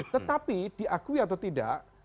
tetapi diakui atau tidak